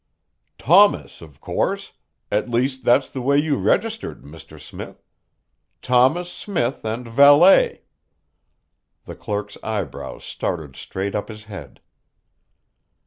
"Thomas, of course; at least that's the way you registered, Mr. Smith Thomas Smith and valet." The clerk's eyebrows started straight up his head.